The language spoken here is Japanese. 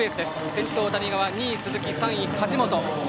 先頭、谷川２位が鈴木、３位が梶本。